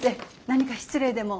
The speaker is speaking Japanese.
何か失礼でも？